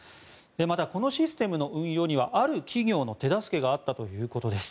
また、このシステムの運用にはある企業の手助けがあったということです。